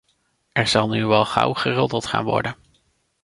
Er zal nu wel gauw geroddeld gaan worden.